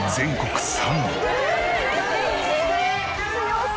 強そう。